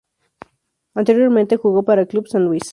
Anteriormente jugó para el Club San Luis.